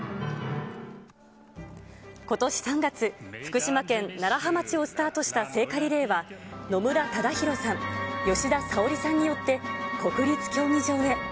ことし３月、福島県楢葉町をスタートした聖火リレーは、野村忠宏さん、吉田沙保里さんによって国立競技場へ。